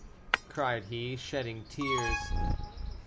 cried he, shedding tears.